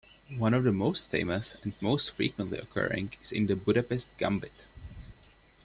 One of the most famous, and most frequently occurring, is in the Budapest Gambit.